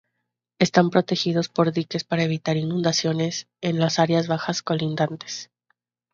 Están protegidos por diques para evitar inundaciones en las áreas bajas colindantes.